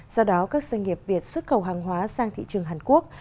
do đó các doanh nghiệp việt xuất khẩu hàng hóa sang thị trường hàn quốc